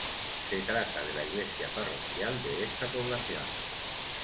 Se trata de la iglesia parroquial de esa población.